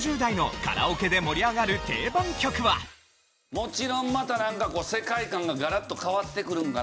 もちろんまたなんか世界観がガラッと変わってくるんかな。